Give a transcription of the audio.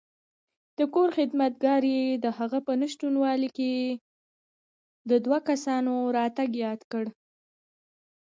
د کور خدمتګار یې دهغه په نشتوالي کې د دوو کسانو راتګ یاد کړ.